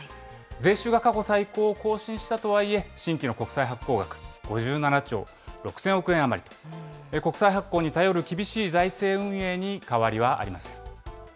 税収が過去最高を更新したとはいえ、新規の国債発行額、５７兆６０００億円余りと、国債発行に頼る厳しい財政運営に変わりはありません。